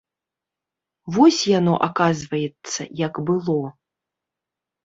Вось яно, аказваецца, як было!